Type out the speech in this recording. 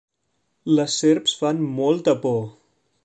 Les serps fan molta por!